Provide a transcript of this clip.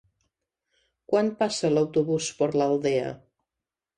Quan passa l'autobús per l'Aldea?